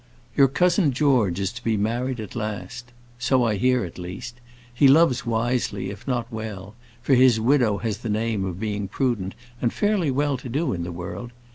"Your cousin George is to be married at last. So I hear, at least. He loves wisely, if not well; for his widow has the name of being prudent and fairly well to do in the world.